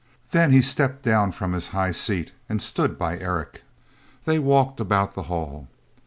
Then he stepped down from his high seat and stood by Eric. They walked about the hall.